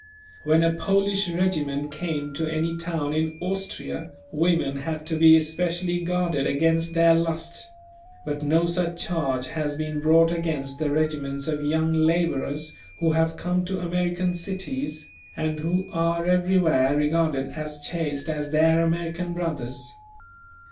When a Polish regiment came to any town in Austria, women had to be especially guarded against their lust; but no such charge has been brought against the regiments of young labourers who have come to American cities, and who are everywhere regarded as chaste as their American brothers.